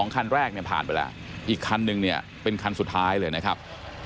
คันแรกเนี่ยผ่านไปแล้วอีกคันนึงเนี่ยเป็นคันสุดท้ายเลยนะครับ